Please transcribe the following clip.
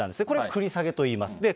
これ、繰り下げといいます。